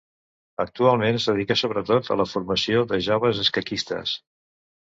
Actualment es dedica sobretot a la formació de joves escaquistes.